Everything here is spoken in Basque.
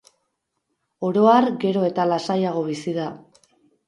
Oro har, gero eta lasaiago bizi da.